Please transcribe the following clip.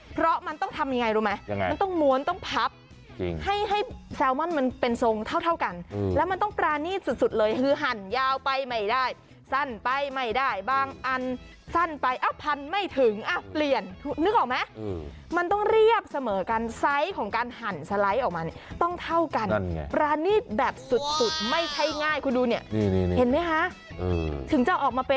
เพราะมันต้องทำยังไงรู้ไหมยังไงมันต้องม้วนต้องพับให้ให้แซลมอนมันเป็นทรงเท่ากันแล้วมันต้องปรานีตสุดเลยคือหั่นยาวไปไม่ได้สั้นไปไม่ได้บางอันสั้นไปเอ้าพันไม่ถึงอ่ะเปลี่ยนนึกออกไหมมันต้องเรียบเสมอกันไซส์ของการหั่นสไลด์ออกมาเนี่ยต้องเท่ากันปรานีตแบบสุดไม่ใช่ง่ายคุณดูเนี่ยเห็นไหมคะถึงจะออกมาเป็น